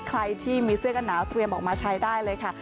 ใครที่มีเสื้อกันหนาวเตรียมออกมาใช้ได้เลยค่ะ